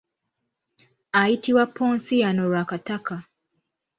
Ayitibwa Ponsiano Lwakataka.